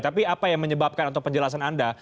tapi apa yang menyebabkan atau penjelasan anda